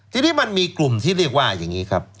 ทีนี้มันมีกลุ่มที่เรียกว่าอย่างนี้ครับ